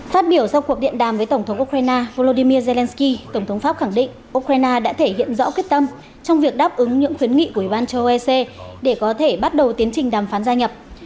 phát biểu sau cuộc điện đàm với tổng thống ukraine volodymyr zelensky tổng thống pháp khẳng định ukraine đã thể hiện rõ quyết tâm trong việc đáp ứng những khuyến nghị của ủy ban châu âu để có thể bắt đầu tiến trình đàm phán gia nhập